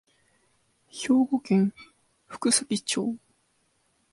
兵庫県福崎町